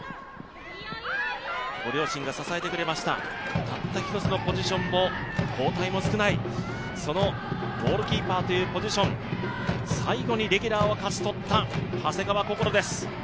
ご両親が支えてくれました、たった１つのポジションを、交代も少ない、そのゴールキーパーというポジション最後にレギュラーを勝ち取った長谷川想です。